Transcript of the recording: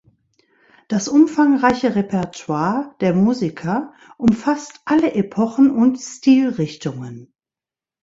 Das umfangreiche Repertoire der Musiker umfasst alle Epochen und Stilrichtungen.